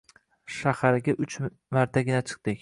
Shaharga uch martagina chiqdik.